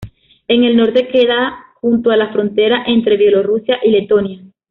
En el norte queda junto a la frontera entre Bielorrusia y Letonia.